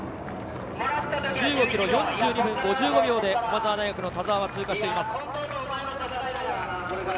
１５ｋｍ、４２分５５秒で駒澤の田澤が通過しています。